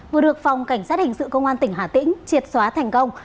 vừa được phòng cảnh sát hình sự công an tỉnh hà tĩnh triệt xóa thành công